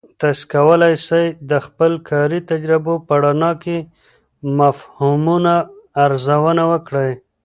تاسې کولای سئ د خپل کاري تجربو په رڼا کې مفهومونه ارزونه وکړئ.